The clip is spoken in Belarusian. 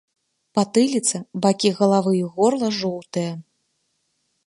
Патыліца, бакі галавы і горла жоўтыя.